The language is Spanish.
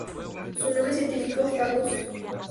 Su nombre científico, "Fagus sylvatica" L. var.